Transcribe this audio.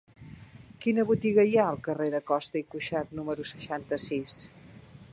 Quina botiga hi ha al carrer de Costa i Cuxart número seixanta-sis?